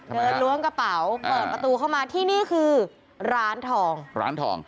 ล้วงกระเป๋าเปิดประตูเข้ามาที่นี่คือร้านทองร้านทอง